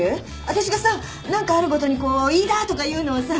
私がさ何かあるごとにこう「飯田！」とか言うのはさ